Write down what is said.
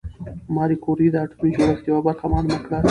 ماري کوري د اتومي جوړښت یوه برخه معلومه کړه.